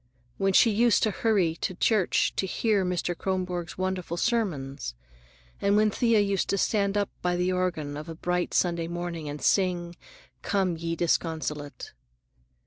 When she used to hurry to church to hear Mr. Kronborg's wonderful sermons, and when Thea used to stand up by the organ of a bright Sunday morning and sing "Come, Ye Disconsolate."